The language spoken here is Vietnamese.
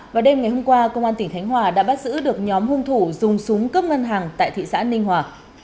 vào đêm ngày hôm qua công an tỉnh khánh hòa đã bắt giữ được nhóm hung thủ dùng súng cướp ngân hàng tại thị xã ninh hòa